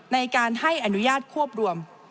ในการให้อนุญาตควบรวม